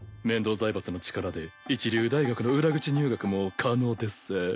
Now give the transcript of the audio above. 財閥の力で一流大学の裏口入学も可能でっせ。